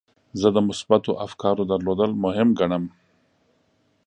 زه د مثبتو افکارو درلودل مهم ګڼم.